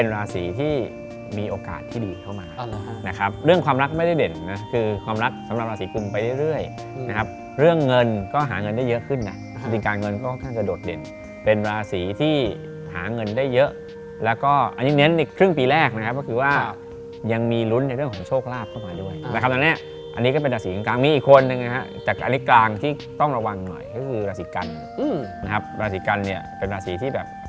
ราศีที่มีโอกาสที่ดีเข้ามานะครับเรื่องความรักไม่ได้เด่นนะคือความรักสำหรับราศีกุมไปเรื่อยนะครับเรื่องเงินก็หาเงินได้เยอะขึ้นนะอาจารย์การเงินก็ค่อนข้างจะโดดเด่นเป็นราศีที่หาเงินได้เยอะแล้วก็อันนี้เน้นอีกครึ่งปีแรกนะครับก็คือว่ายังมีลุ้นในเรื่องของโชคลาภเข้ามาด้วยนะครับอันนี้อ